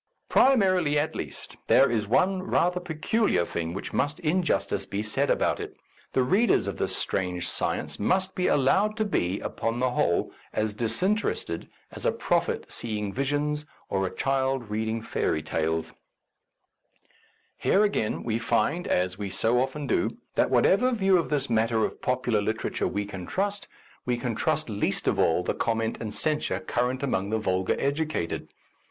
Primarily, at least, there is one rather peculiar thing which must in justice be said about it. The readers of this strange science must be allowed to be, upon the whole, as disinterested as a prophet see ing visions or a child reading fairy tales. A Defence of Useful Information Here, again, we find, as we so often do, that whatever view of this matter of popular literature we can trust, we can trust least of all the comment and censure current among the vulgar educated.